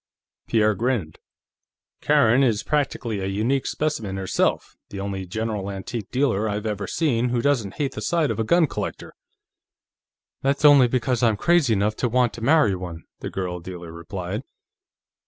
Pierre grinned. "Karen is practically a unique specimen herself; the only general antique dealer I've ever seen who doesn't hate the sight of a gun collector." "That's only because I'm crazy enough to want to marry one," the girl dealer replied.